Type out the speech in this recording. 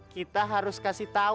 kita harus kasih tau